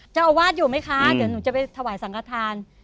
เจ้าอาวาสอยู่ไหมคะเดี๋ยวหนูจะไปถวายสังขทาน